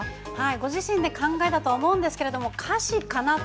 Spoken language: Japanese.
ご自身で考えたとは思うんですけれども歌詞かなと。